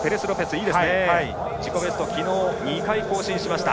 自己ベストを昨日２回更新しました。